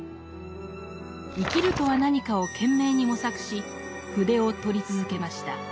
「生きるとは何か」を懸命に模索し筆を執り続けました。